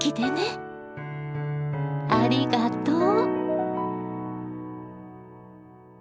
ありがとう。